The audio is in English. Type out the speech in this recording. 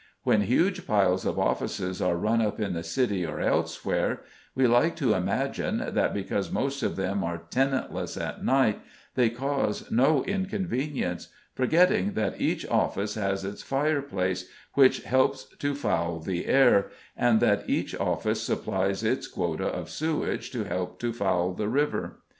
When huge piles of offices are run up in the City or elsewhere, we like to imagine that, because most of them are tenantless at night, they cause no inconvenience, forgetting that each office has its fireplace, which helps to foul the air, and that each office supplies its quota of sewage to help to foul the river.